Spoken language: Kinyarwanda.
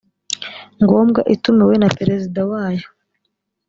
ngombwa itumiwe na perezida wayo